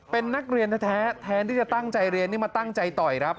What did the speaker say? เป็นนักเรียนแท้แทนที่จะตั้งใจเรียนนี่มาตั้งใจต่อยครับ